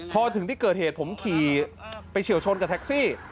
พอถึงที่เกิดเหตุผมขี่ไปเฉียวชนกับแท็กซี่